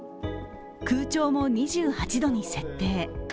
空調も２８度に設定。